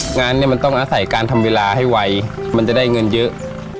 งานเนี่ยมันต้องอาศัยการทำเวลาให้ไวมันจะได้เงินเยอะ